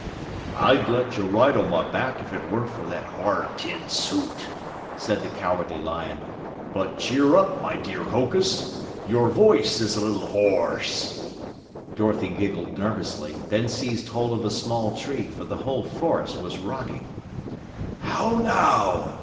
"I'd let you ride on my back if it weren't for that hard tin suit," said the Cowardly Lion. "But cheer up, my dear Hokus, your voice is a little hoarse." Dorothy giggled nervously, then seized hold of a small tree, for the whole forest was rocking. "How now!"